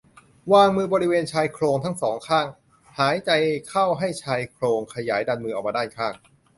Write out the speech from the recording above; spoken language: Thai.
วางมือบริเวณชายโครงทั้ง สอง ข้าง หายใจเข้าให้ชายโครงขยายดันมือออกมาด้านข้าง